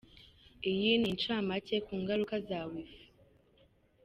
Iyi ni incamake ku ngaruka za Wi-Fi.